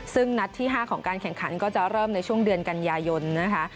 ซึ่งนัดที่๕ของการแข่งขันก็จะเริ่มในช่วงเดือนกันยายนนะคะ